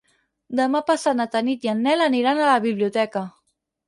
Demà passat na Tanit i en Nel aniran a la biblioteca.